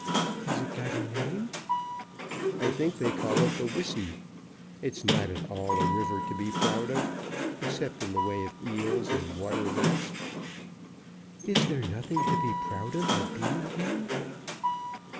"Has it got a name?" "I think they call it the Wissey. It's not at all a river to be proud of, except in the way of eels and water rats." "Is there nothing to be proud of at Beamingham?"